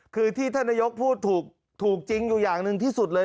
คือที่ท่านนายกพูดถูกจริงอยู่อย่างหนึ่งที่สุดเลย